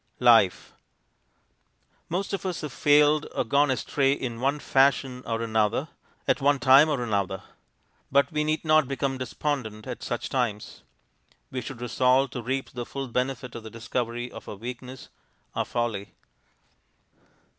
LIFE Most of us have failed or gone astray in one fashion or another, at one time or another. But we need not become despondent at such times. We should resolve to reap the full benefit of the discovery of our weakness, our folly.